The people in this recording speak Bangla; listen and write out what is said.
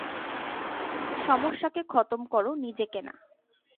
সমস্যাকে খতম করো, নিজেকে না।